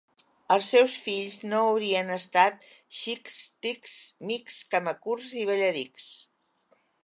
Els seus fills no haurien estat xics, tics, mics, camacurts i ballarics.